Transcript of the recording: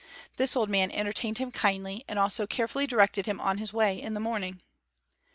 This old man entertained him kindly and also carefully directed him on his way in the morning.